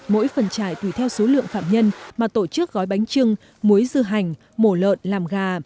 mỗi phần trải tùy theo số lượng phạm nhân mà tổ chức gói bánh trưng muối dư hành mổ lợn làm gà